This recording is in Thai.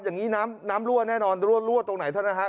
อย่างนี้น้ำรวดแน่นอนรวดตรงไหนเท่านั้นนะครับ